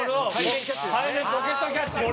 背走ポケットキャッチ。